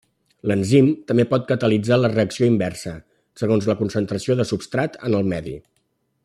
L'enzim també pot catalitzar la reacció inversa, segons la concentració de substrat en el medi.